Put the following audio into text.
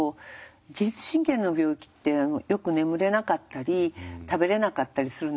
自律神経の病気ってよく眠れなかったり食べれなかったりするんですけど